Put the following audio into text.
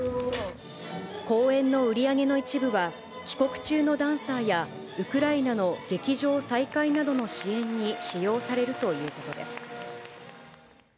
公演の売り上げの一部は、帰国中のダンサーやウクライナの劇場再開などの支援に使用されるということです。